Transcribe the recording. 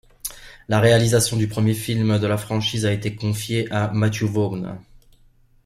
La réalisation du premier film de la franchise a été confiée à Matthew Vaughn.